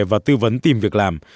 và tư vấn tìm việc làm